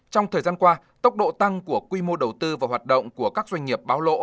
trong thời gian qua tốc độ tăng của quy mô đầu tư và hoạt động của các doanh nghiệp báo lỗ